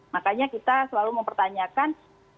makanya kita selalu mempertanyakan